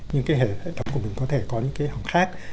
những cái hệ thống của mình có thể có những cái hỏng khác